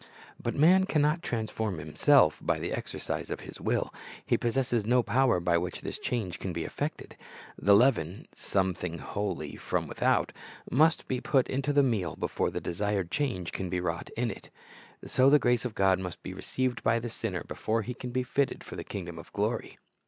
But man can not transform himself by the exercise of his will. He possesses no power by which this change can be effected. The leaven — some thing wholly from without — must be put into the meal before the desired change can be wrought in it. So the grace of God must be received by the sinner before he can be fitted for the kingdom of glory.